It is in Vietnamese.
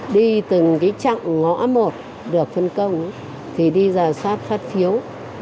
đi từng trạng ngõ một được phân công thì đi giả soát phát phiếu